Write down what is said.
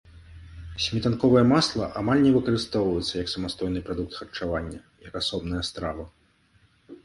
Сметанковае масла амаль не выкарыстоўваецца як самастойны прадукт харчавання, як асобная страва.